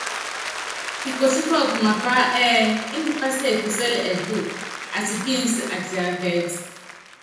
Kikotí kɔɔkɔ mapá ɛ́ɛ́ índɛ pɛsiɛkusɛl ɛtɔ, atipínsɛ́, atiákɛ́t.